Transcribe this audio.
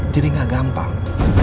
jadi enggak gampang